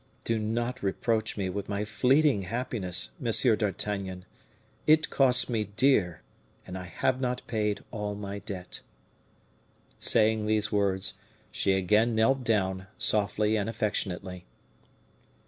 Do not reproach me with my fleeting happiness, Monsieur d'Artagnan; it costs me dear, and I have not paid all my debt." Saying these words, she again knelt down, softly and affectionately.